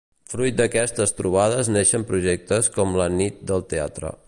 Fruit d’aquestes trobades neixen projectes com La Nit del Teatre.